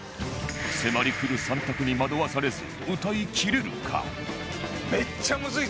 迫りくる３択に惑わされず歌いきれるか？